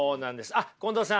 あっ近藤さん